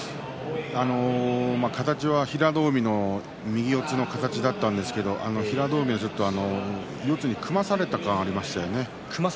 形は平戸海の右四つの形だったんですけど平戸海、ずっと四つに組まされた感がありましたよね。